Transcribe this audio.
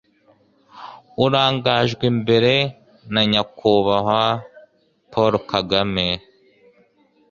urangajwe imbere na nyakubahwa paul kagame